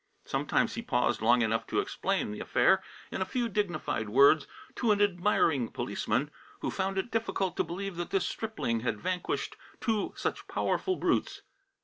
Sometimes he paused long enough to explain the affair, in a few dignified words, to an admiring policeman who found it difficult to believe that this stripling had vanquished two such powerful brutes.